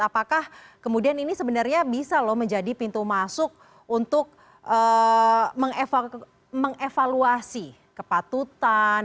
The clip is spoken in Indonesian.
apakah kemudian ini sebenarnya bisa loh menjadi pintu masuk untuk mengevaluasi kepatutan